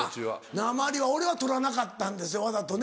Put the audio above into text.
なまりは俺は取らなかったんですわざとね